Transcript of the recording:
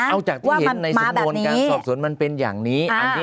เอาจากที่เห็นในสำนวนการสอบสวนมันเป็นอย่างนี้